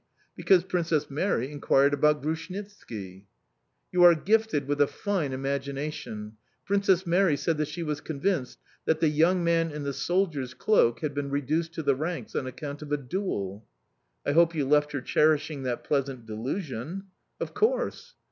"Because Princess Mary inquired about Grushnitski." "You are gifted with a fine imagination! Princess Mary said that she was convinced that the young man in the soldier's cloak had been reduced to the ranks on account of a duel"... "I hope you left her cherishing that pleasant delusion"... "Of course"...